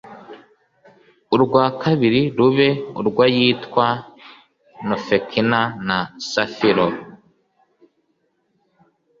urwa kabiri rube urw ayitwa nofekina na safiro